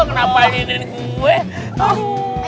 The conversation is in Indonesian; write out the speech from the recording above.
kenapa ini di gue